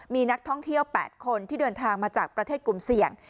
มีนักท่องเที่ยว๘คนที่เดินทางมาจากประเทศกลุ่มเสี่ยง